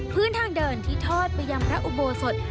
พื้นทางเดินที่ทอดไปยังพระอุโบสถ